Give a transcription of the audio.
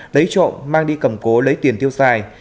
lấy trộm mang đi cầm cố lấy tiền tiêu xài